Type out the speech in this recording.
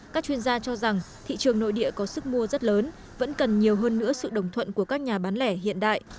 các chuyên gia cho rằng thị trường nội địa có sức mua rất lớn vẫn cần nhiều hơn nữa sự đồng thuận của các nhà bán lẻ hiện đại